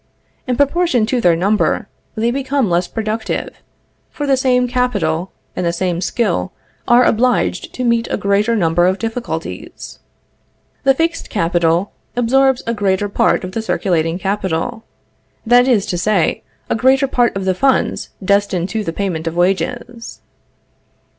In proportion to their number, they become less productive, for the same capital and the same skill are obliged to meet a greater number of difficulties. The fixed capital absorbs a greater part of the circulating capital; that is to say, a greater part of the funds destined to the payment of wages.